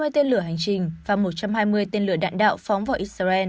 hai mươi tên lửa hành trình và một trăm hai mươi tên lửa đạn đạo phóng vào israel